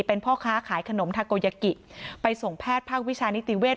เป็นพ่อค้าขายขนมทาโกยากิไปส่งแพทย์ภาควิชานิติเวศ